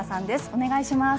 お願いします。